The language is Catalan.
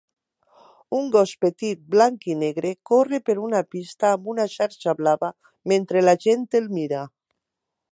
Un gos petit blanc i negre corre per una pista amb una xarxa blava mentre la gent el mira.